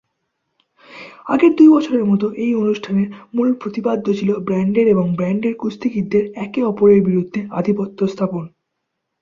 আগের দুই বছরের মতো, এই অনুষ্ঠানের মূল প্রতিপাদ্য ছিল ব্র্যান্ডের এবং ব্র্যান্ডের কুস্তিগীরদের একে অপরের বিরুদ্ধে আধিপত্য স্থাপন।